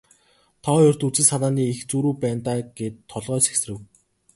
Та хоёрт үзэл санааны их зөрүү байна даа гээд толгой сэгсрэв.